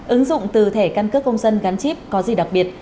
ứng dụng từ thẻ căn cước công dân gắn chip có gì đặc biệt